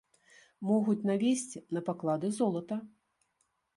Могуць навесці на паклады золата.